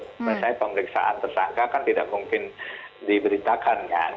misalnya pemeriksaan tersangka kan tidak mungkin diberitakan kan